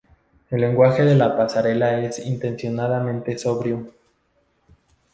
El lenguaje de la pasarela es intencionadamente sobrio.